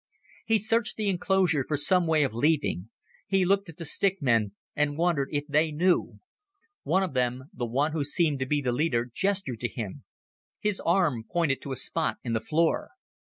He searched the enclosure for some way of leaving. He looked at the stick men and wondered if they knew. One of them, the one who seemed to be the leader, gestured to him. His arm pointed to a spot in the floor.